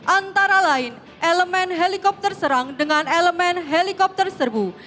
antara lain elemen helikopter serang dengan elemen helikopter serbu